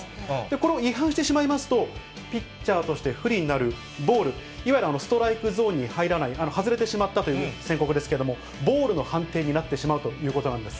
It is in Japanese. これを違反してしまいますと、ピッチャーとして不利になるボール、いわゆるストライクゾーンに入らない、外れてしまったという宣告ですけども、ボールの判定になってしまうということなんです。